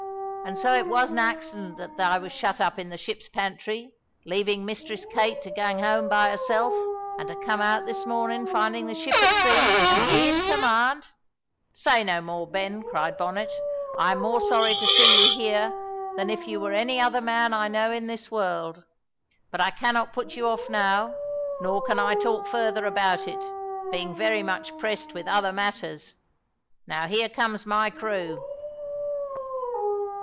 An' so it wasna accident that I was shut up in the ship's pantry, leavin' Mistress Kate to gang hame by hersel', an' to come out this mornin' findin' the ship at sea an' ye in command?" "Say no more, Ben," cried Bonnet. "I am more sorry to see you here than if you were any other man I know in this world. But I cannot put you off now, nor can I talk further about it, being very much pressed with other matters. Now here comes my crew."